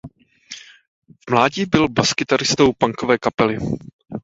V mládí byl baskytaristou punkové kapely.